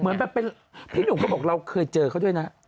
เหมือนแบบเป็นพี่หนุ่มก็บอกเราเคยเจอเขาด้วยนะ